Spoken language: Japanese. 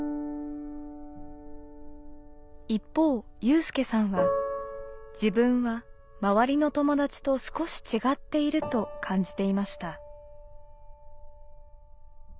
一方有さんは自分は周りの友達と少し違っていると感じていました。